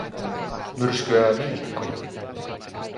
Myrskyää viikkoja.